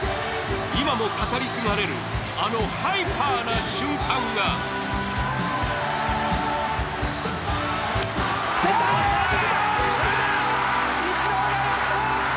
今も語り継がれるあのハイパーな瞬間がイチローがやった！